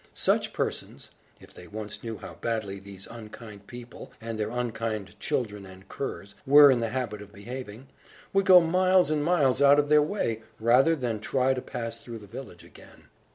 Such persons (if they once knew how badly these unkind people, and their unkind children and curs, were in the habit of behaving) would go miles and miles out of their way, rather than try to pass through the village again.